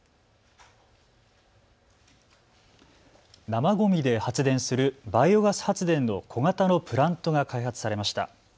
生ごみで発電するバイオガス発電の小型のプラントが開発されました。